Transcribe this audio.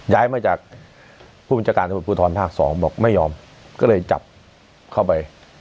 ย้ายมาจากผู้บิจการสมุทรภูทรภาค๒บอกไม่ยอมก็เลยจับเข้าไป